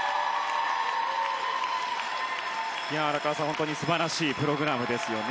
荒川さん、本当に素晴らしいプログラムですね。